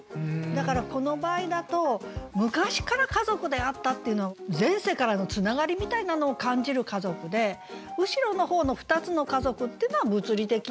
だからこの場合だと「昔から家族であった」っていうの前世からのつながりみたいなのを感じる家族で後ろの方の「ふたつの家族」ってのは物理的な。